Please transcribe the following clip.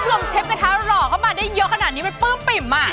เชฟกระทะหล่อเข้ามาได้เยอะขนาดนี้มันปลื้มปิ่มอ่ะ